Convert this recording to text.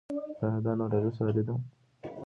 ایا دا ناروغي ساری ده؟